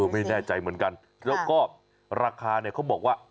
ไม่แน่ใจเหมือนกันแล้วก็ราคาเนี่ยเขาบอกว่า